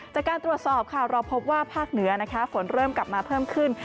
จากการตรวจสอบค่ะเราพบว่าภาคเหนือนะคะฝนเริ่มกลับมาเพิ่มขึ้น